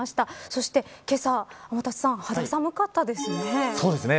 そして、けさ、天達さん肌寒かったですよね。